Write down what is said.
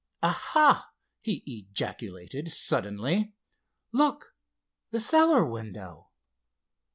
"Aha!" he ejaculated suddenly, "look—the cellar window."